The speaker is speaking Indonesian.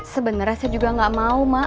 sebenernya saya juga gak mau mak